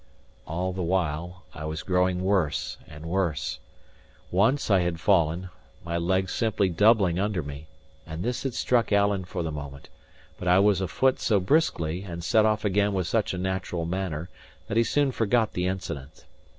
All the while, I was growing worse and worse. Once I had fallen, my leg simply doubling under me, and this had struck Alan for the moment; but I was afoot so briskly, and set off again with such a natural manner, that he soon forgot the incident.